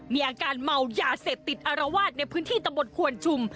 มีอาการเมายาเสพติดอารวาสในพื้นที่ตะบนควนชุม